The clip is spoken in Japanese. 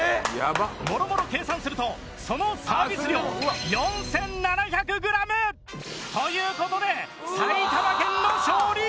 もろもろ計算するとそのサービス量４７００グラム！という事で埼玉県の勝利！